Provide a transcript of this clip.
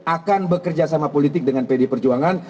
akan bekerjasama politik dengan pd perjuangan